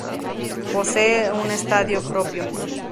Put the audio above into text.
Posee un estadio propio.